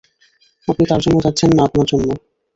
আপনি তার জন্য যাচ্ছেন না আপনার জন্য?